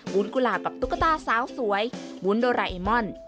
ุ้นกุหลาบกับตุ๊กตาสาวสวยวุ้นโดราเอมอน